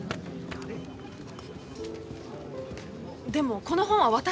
でもこの本は私が。